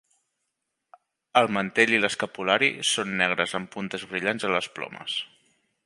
El mantell i l'escapulari són negres amb puntes brillants a les plomes.